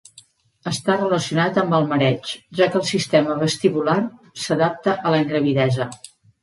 Està relacionat amb el mareig, ja que el sistema vestibular s'adapta a la ingravidesa.